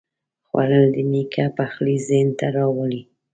خوړل د نیکه پخلی ذهن ته راوړي